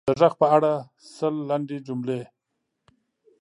د ږغ په اړه سل لنډې جملې: